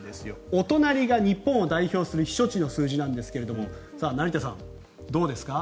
お隣が日本を代表する避暑地の数字なんですが成田さん、どうですか？